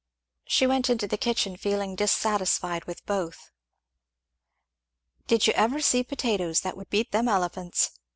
She went into the kitchen feeling dissatisfied with both. "Did you ever see potatoes that would beat them Elephants?"